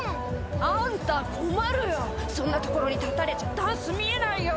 「あんた困るよそんな所に立たれちゃダンス見えないよ！